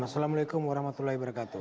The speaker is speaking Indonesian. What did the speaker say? assalamualaikum warahmatullahi wabarakatuh